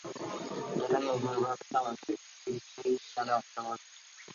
যেটা নিগূঢ়ভাবে স্বাভাবিক, সেইটিকেই সে জানে অস্বাভাবিক।